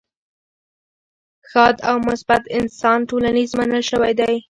ښاد او مثبت انسان ټولنیز منل شوی دی.